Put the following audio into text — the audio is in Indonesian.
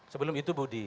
sebelum itu budi